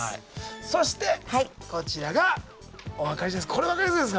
そしてこちらがお分かりです